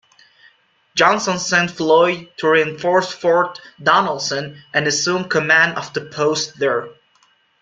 Johnston sent Floyd to reinforce Fort Donelson and assume command of the post there.